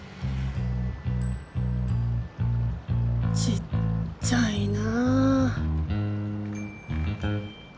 ちっちゃいな。